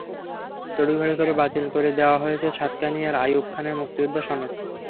তড়িঘড়ি করে বাতিল করে দেওয়া হয়েছে সাতকানিয়ার আইয়ুব খানের মুক্তিযোদ্ধা সনদ।